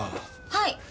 はい。